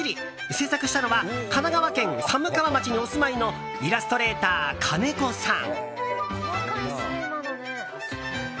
制作したのは神奈川県寒川町にお住いのイラストレーター、金子さん。